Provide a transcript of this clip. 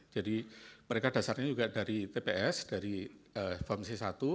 jadi mereka dasarnya juga dari tps dari fomc satu